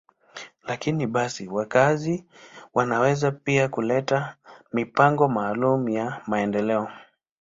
Lakini basi, wakazi wanaweza pia kuleta mipango maalum ya maendeleo.